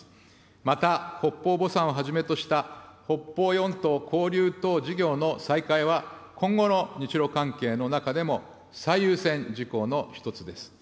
また、北方墓参をはじめとした北方四島交流等事業の再開は、今後の日ロ関係の中でも最優先事項の一つです。